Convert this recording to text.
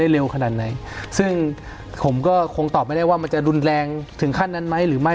เร็วขนาดไหนซึ่งผมก็คงตอบไม่ได้ว่ามันจะรุนแรงถึงขั้นนั้นไหมหรือไม่